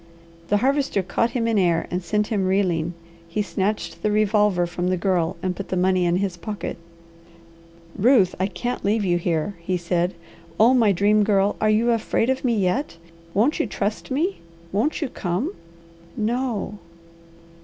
The Harvester caught him in air and sent him reeling. He snatched the revolver from the Girl and put the money in his pocket. "Ruth, I can't leave you here," he said. "Oh my Dream Girl! Are you afraid of me yet? Won't you trust me? Won't you come?" "No."